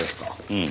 うん。